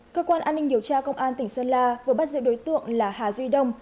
cơ quan an ninh điều tra công an tỉnh sơn la vừa bắt giữ đối tượng là hà duy đông